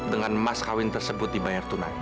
dengan emas kawin tersebut dibayar tunai